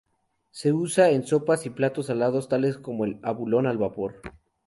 Se usa en sopas y platos salados tales como el abulón al vapor.